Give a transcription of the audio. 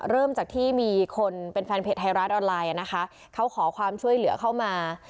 เริ่มจากที่มีคนเป็นแฟนเพจไทยรัฐออนไลน์นะคะเขาขอความช่วยเหลือเข้ามา